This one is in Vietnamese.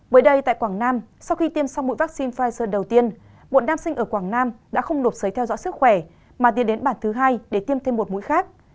mới đây tại quảng nam sau khi tiêm xong mũi vaccine pfizer đầu tiên một nam sinh ở quảng nam đã không nộp sấy theo dõi sức khỏe mà tiên đến bản thứ hai để tiêm thêm một mũi khác